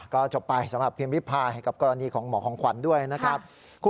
ก็จบไปสำหรับพิมพิพายกับกรณีของหมอของขวัญด้วยนะครับ